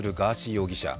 容疑者。